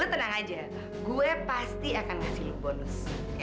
lu tenang aja gue pasti akan ngasih lu bonus